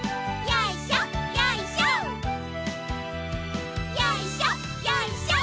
よいしょよいしょ。